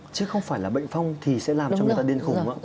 chứ không phải là bệnh phong thì sẽ làm cho người ta điên khùng